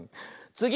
つぎ！